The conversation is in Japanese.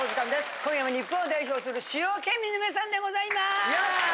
今夜も日本を代表する主要県民の皆さんでございます。